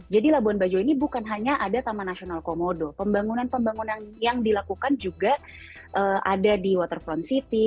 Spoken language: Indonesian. jadi labuan bajo ini bukan hanya ada taman nasional komodo pembangunan pembangunan yang dilakukan juga ada di waterfront city